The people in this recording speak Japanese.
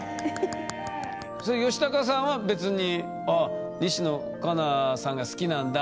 ヨシタカさんは別にあ西野カナさんが好きなんだってふうに思ってた？